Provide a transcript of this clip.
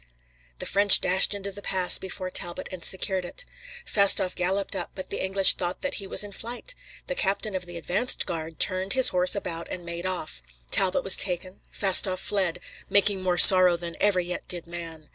The French dashed into the pass before Talbot had secured it. Fastolf galloped up, but the English thought that he was in flight; the captain of the advanced guard turned his horse about and made off. Talbot was taken, Fastolf fled, "making more sorrow than ever yet did man."